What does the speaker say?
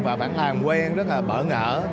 và bản thàn quen rất là bở ngỡ